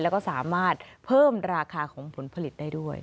แล้วก็สามารถเพิ่มราคาของผลผลิตได้ด้วย